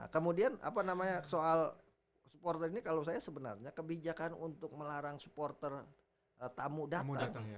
kemudian apa namanya soal supporter ini kalau saya sebenarnya kebijakan untuk melarang supporter tamu datang